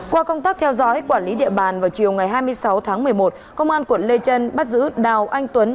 qua công tác theo dõi quản lý địa bàn vào chiều ngày hai mươi sáu tháng một mươi một công an quận lê trân bắt giữ đào anh tuấn